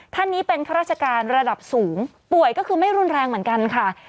ท่านนี้เป็นข้าราชการระดับสูงป่วยก็คือไม่รุนแรงเหมือนกันค่ะ